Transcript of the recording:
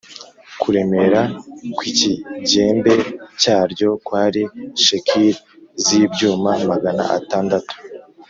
kuremera kw’ikigembe cyaryo kwari shekeli z’ibyuma magana atandatu